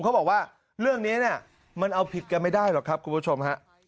เขาบอกว่าเรื่องนี้เนี่ยมันเอาผิดกันไม่ได้หรอกครับคุณผู้ชมฮะ